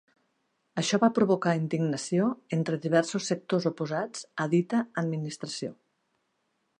Això va provocar indignació entre diversos sectors oposats a dita administració.